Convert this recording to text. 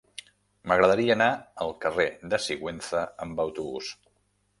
M'agradaria anar al carrer de Sigüenza amb autobús.